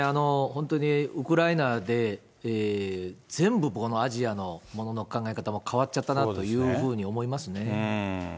本当にウクライナで、全部、アジアのものの考え方も変わっちゃったなというふうに思いますね。